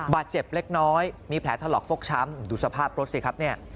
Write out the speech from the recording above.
บาดเจ็บเล็กน้อยมีแผลถลอกฟกช้ำดูสภาพรถสิครับเนี่ย